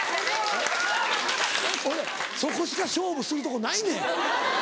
俺そこしか勝負するとこないねん！